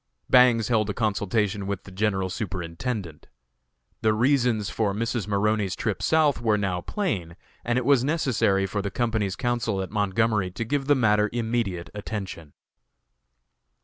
Bangs held a consultation with the General Superintendent. The reasons for Mrs. Maroney's trip South were now plain, and it was necessary for the company's counsel at Montgomery to give the matter immediate attention.